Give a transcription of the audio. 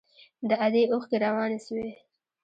د ادې اوښکې روانې سوې.